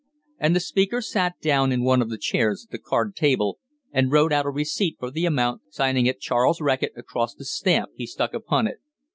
And the speaker sat down in one of the chairs at the card table, and wrote out a receipt for the amount, signing it "Charles Reckitt" across the stamp he stuck upon it.